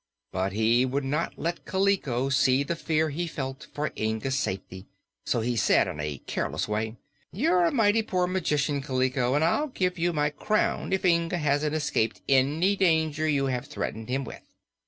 But he would not let Kaliko see the fear he felt for Inga's safety, so he said in a careless way: "You're a mighty poor magician, Kaliko, and I'll give you my crown if Inga hasn't escaped any danger you have threatened him with."